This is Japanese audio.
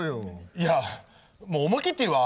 いやもう思い切って言うわ。